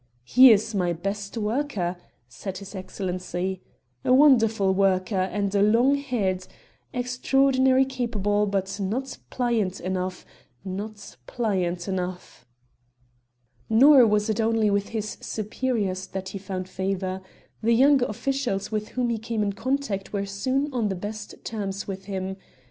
"He is my best worker," said his excellency: "A wonderful worker, and a long head extraordinarily capable; but not pliant enough not pliant enough...." Nor was it only with his superiors that he found favor; the younger officials with whom he came in contact were soon on the best terms with him.